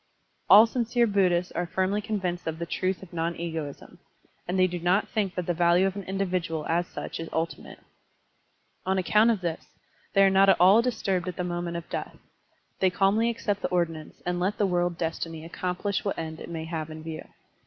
All sincere Buddhists are firmly convinced of the truth of non egoism, and they do not think that the value of an individual as such is tdti mate. On account of this, they are not at all disturbed at the moment of death ; they calmly accept the ordinance and let the world destiny accomplish what end it may have in view.